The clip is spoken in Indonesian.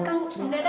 kamu juga sudah sehat